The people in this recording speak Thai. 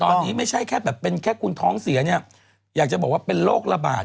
ตอนนี้ไม่ใช่แค่แบบเป็นแค่คุณท้องเสียเนี่ยอยากจะบอกว่าเป็นโรคระบาด